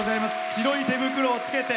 白い手袋をつけて。